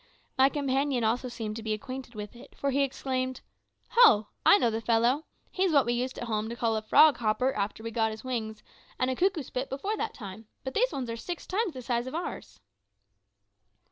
My companion also seemed to be acquainted with it, for he exclaimed "Ho! I know the fellow. He's what we used at home to call a `frog hopper' after he got his wings, and a `cuckoo spit' before that time; but these ones are six times the size of ours."